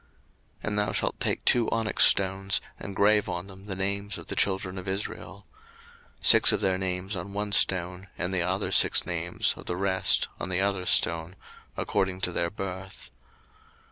02:028:009 And thou shalt take two onyx stones, and grave on them the names of the children of Israel: 02:028:010 Six of their names on one stone, and the other six names of the rest on the other stone, according to their birth.